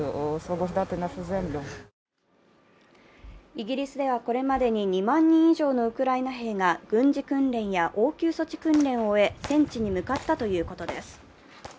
イギリスではこれまでに２万人以上のウクライナ兵が軍事訓練や応急措置訓練を終え戦地に向かったということです。